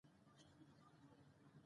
هغو جواب راکړو چې کوهے مو شورو کړے دے ـ